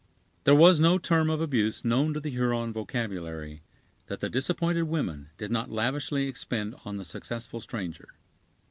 There was no term of abuse known to the Huron vocabulary that the disappointed women did not lavishly expend on the successful stranger.